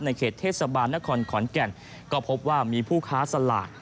เขตเทศบาลนครขอนแก่นก็พบว่ามีผู้ค้าสลาก